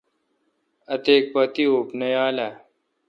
اتیک پہ تی اوپ نہ تھال اؘ۔